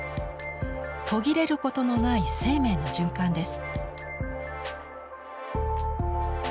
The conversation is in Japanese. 途切れることのない生命の循環です。